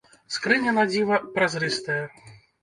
Скрыня, на дзіва, празрыстая.